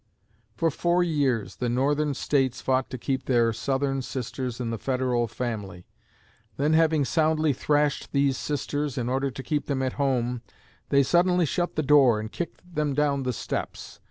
For four years the Northern States fought to keep their Southern sisters in the Federal family; then having soundly thrashed these sisters in order to keep them at home, they suddenly shut the door and kicked them down the steps!